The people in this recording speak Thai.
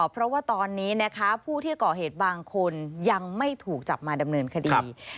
เพราะว่าตอนนี้นะคะผู้ที่ก่อเหตุบางคนยังไม่ถูกจับมาดำเนินคดี